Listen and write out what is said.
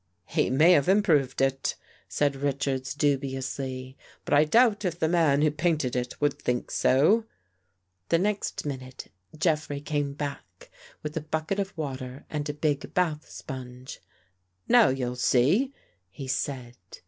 " He may have improved it," said Richards dubi ously, " but I doubt if the man who painted it would think so." The next minute Jeffrey came back with a bucket of water and a big bath sponge. " Now you'll see," he said.